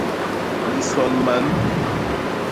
Lison man.